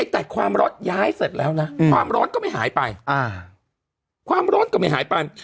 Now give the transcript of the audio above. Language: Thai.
แต่ความร้อนย้ายเสร็จแล้วนะความร้อนก็ไม่หายไป